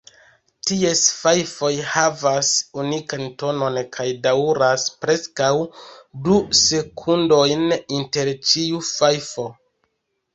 Ties fajfoj havas unikan tonon kaj daŭras preskaŭ du sekundojn inter ĉiu fajfo.